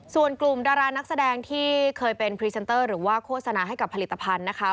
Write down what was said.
ส่วนกลุ่มดารานักแสดงที่เคยเป็นพรีเซนเตอร์หรือว่าโฆษณาให้กับผลิตภัณฑ์นะคะ